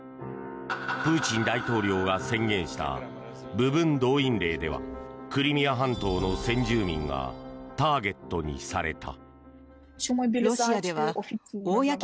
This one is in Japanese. プーチン大統領が宣言した部分動員令ではクリミア半島の先住民がターゲットにされた。